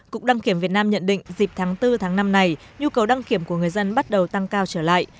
cục đăng kiểm việt nam nhận định dịp tháng bốn tháng năm này nhu cầu đăng kiểm của người dân bắt đầu tăng cao trở lại